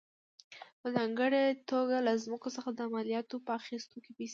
په ځانګړې توګه له ځمکو څخه د مالیاتو په اخیستو کې پیسې وې.